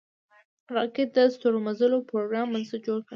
راکټ د ستورمزلو پروګرام بنسټ جوړ کړ